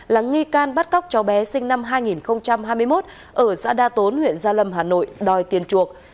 là nghi can bắt cóc cháu bé sinh năm hai nghìn hai mươi một ở xã đa tốn huyện gia lâm hà nội đòi tiền chuộc